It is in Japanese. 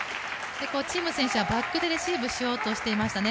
チン・ム選手はバックでレシーブしようとしていましたね。